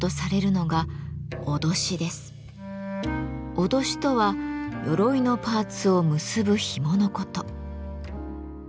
威しとは鎧のパーツを結ぶひものこと。